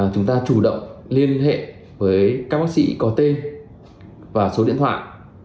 chúng ta chủ động liên hệ với các bác sĩ có tên và số điện thoại